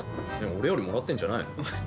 俺よりもらってんじゃないの？